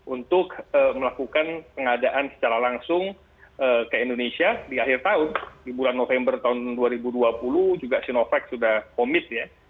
untuk melakukan pengadaan secara langsung ke indonesia di akhir tahun di bulan november tahun dua ribu dua puluh juga sinovac sudah komit ya